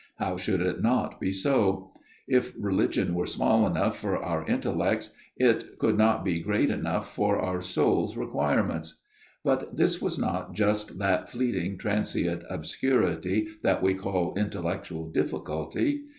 How should it not be so ? If religion were small enough for our intellects it could not be great enough for our soul's require ments. But this was not just that fleeting tran sient obscurity that we call intellectual difficulty.